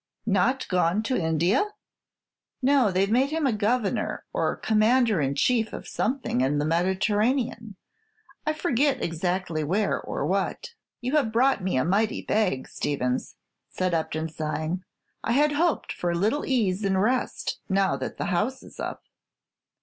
"Not gone to India?" "No. They've made him a governor or commander in chief of something in the Mediterranean; I forget exactly where or what." "You have brought me a mighty bag, Stevins," said Upton, sighing. "I had hoped for a little ease and rest now that the House is up."